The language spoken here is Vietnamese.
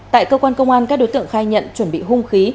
tại cơ quan công an các đối tượng khai nhận chuẩn bị hung khí